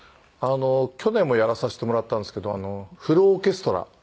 去年もやらせてもらったんですけどフルオーケストラ。